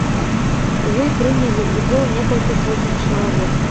У ёй прынялі ўдзел некалькі соцень чалавек.